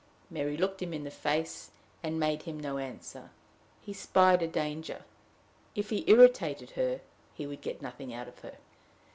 Mary looked him in the face, and made him no answer. He spied a danger: if he irritated her, he would get nothing out of her!